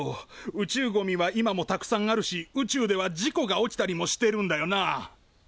宇宙ゴミは今もたくさんあるし宇宙では事故が起きたりもしてるんだよな？